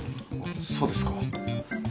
そうですか。